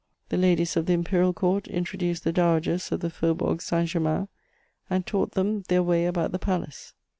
The ladies of the Imperial Court introduced the dowagers of the Faubourg Saint Germain and taught them "their way about" the palace.